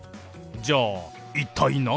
じゃあ一体何？